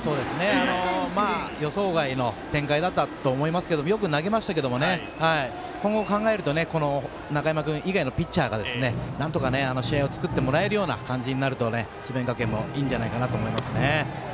予想外の展開だったと思いますけどよく投げましたけど今後を考えるとこの中山君以外のピッチャーがなんとか試合を作ってくれるような展開になると智弁学園もいいんじゃないかなと思いますね。